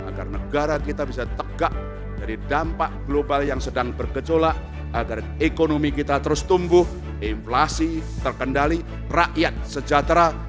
agar negara kita bisa tegak dari dampak global yang sedang bergejolak agar ekonomi kita terus tumbuh inflasi terkendali rakyat sejahtera